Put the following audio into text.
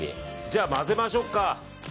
じゃあ混ぜましょうか。